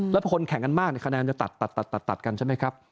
แล้วคนแข่งกันมากคะแนนจะตัดกันใช่ไหมครับ